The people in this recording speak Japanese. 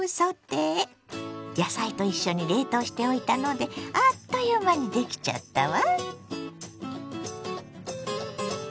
野菜と一緒に冷凍しておいたのであっという間にできちゃったわ。